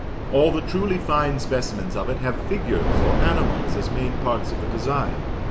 All the truly fine specimens of it have figures or animals as main parts of the design.